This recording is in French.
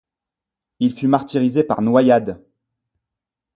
Il fut martyrisé par noyade.